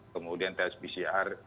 kemudian tes pcr